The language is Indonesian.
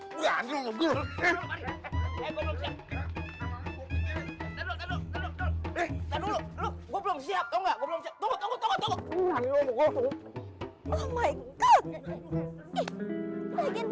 loh gue belum siap tahu gak gue belum siap tunggu tunggu tunggu tunggu